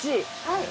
はい。